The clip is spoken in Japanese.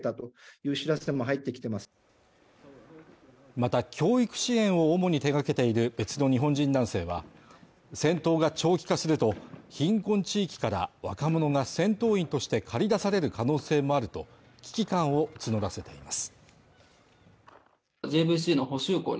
また教育支援を主に手がけている別の日本人男性は、戦闘が長期化すると、貧困地域から若者が戦闘員として駆り出される可能性もあると危機感を募らせています。